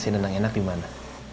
kasih dendam enak dimana